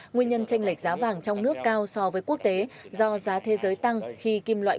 nguyên nhân tranh lệch giá vàng trong nước cao so với quốc tế do giá thế giới tăng khi kim loại